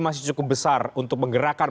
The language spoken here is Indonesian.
masih cukup besar untuk menggerakkan